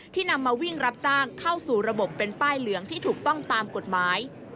นำมาวิ่งรับจ้างเข้าสู่ระบบเป็นป้ายเหลืองที่ถูกต้องตามกฎหมาย